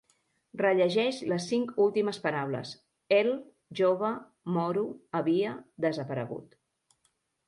Rellegeix les cinc últimes paraules: el, jove, moro, havia, desaparegut.